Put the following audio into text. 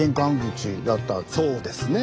そうですね。